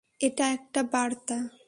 এটা একটা বার্তা।